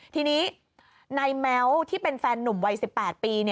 ทีนี้นายแม้วที่เป็นแฟนหนุ่มวัย๑๘ปี